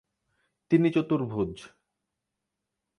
তিনি চতুর্ভূজ।